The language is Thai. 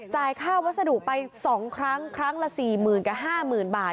จ่ายค่าวัสดุไป๒ครั้งครั้งละ๔หมื่นกับ๕หมื่นบาท